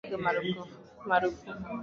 Mkutano wao huko Marondera ulipigwa marufuku